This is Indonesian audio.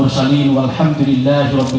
dan tim rewan kami terima kasih